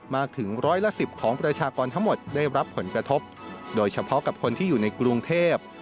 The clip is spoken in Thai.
ถึงร้อยละสิบของประชากรทั้งหมดได้รับผลกระทบโดยเฉพาะกับคนที่อยู่ในกรุงเทพ